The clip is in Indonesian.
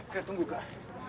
kak tunggu kak